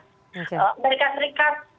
dari amerika serikat